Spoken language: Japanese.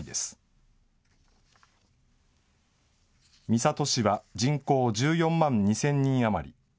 三郷市は人口１４万２０００人余り。